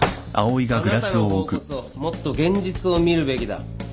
あなたの方こそもっと現実を見るべきだ。